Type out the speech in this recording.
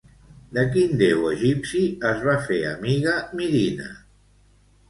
De quin déu egipci es va fer amiga Mirina?